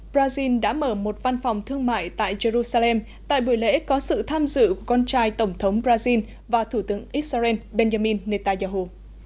brazil đã mở một văn phòng thương mại tại jerusalem tại buổi lễ có sự tham dự của con trai tổng thống brazil và thủ tướng israel benjamin netanyahu